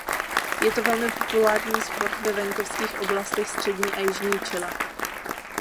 Je to velmi populární sport ve venkovských oblastech střední a jižní Chile.